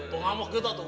pengamuk gitu tuh